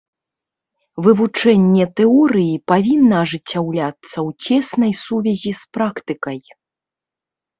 Вывучэнне тэорыі павінна ажыццяўляцца ў цеснай сувязі з практыкай.